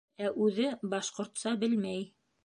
Ә үҙе башҡортса белмәй.